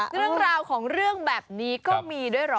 เรื่องราวของเรื่องแบบนี้ก็มีด้วยเหรอ